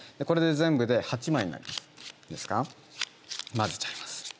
これで全部で８枚になります。